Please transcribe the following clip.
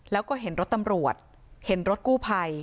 แล้วก็เห็นรถตำรวจเห็นรถกู้ภัย